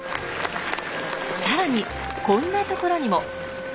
更にこんなところにも。